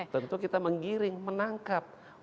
tentu kita menggiring menangkap